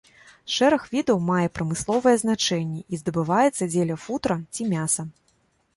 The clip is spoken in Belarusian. Шэраг відаў мае прамысловае значэнні і здабываецца дзеля футра ці мяса.